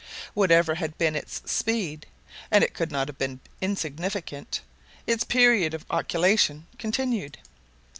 Whatever had been its speed (and it could not have been insignificant), its period of occultation continued.